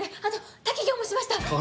あと滝行もしました！